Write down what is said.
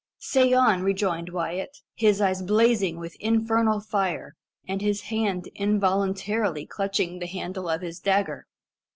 "Say on," rejoined Wyat, his eyes blazing with infernal fire, and his hand involuntarily clutching the handle of his dagger.